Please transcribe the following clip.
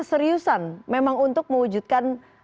menyusun memang untuk mewujudkan